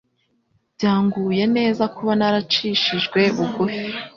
Byanguye neza kuba naracishijwe bugufi